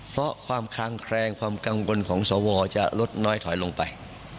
เพราะความคางแคลงความกังวลของสวจะลดน้อยถอยลงไป